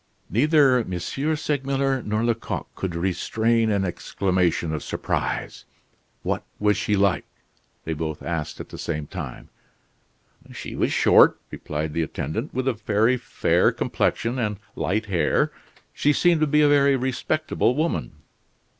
Neither M. Segmuller nor Lecoq could restrain an exclamation of surprise. "What was she like?" they both asked at the same time. "She was short," replied the attendant, "with a very fair complexion and light hair; she seemed to be a very respectable woman."